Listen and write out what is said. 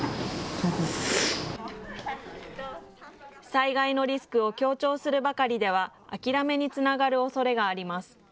災害のリスクを強調するばかりでは、諦めにつながるおそれがあります。